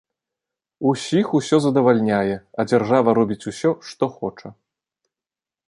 Усіх усё задавальняе, а дзяржава робіць усё, што хоча!